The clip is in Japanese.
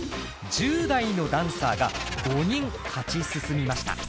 １０代のダンサーが５人勝ち進みました。